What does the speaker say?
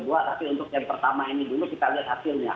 tapi untuk yang pertama ini dulu kita lihat hasilnya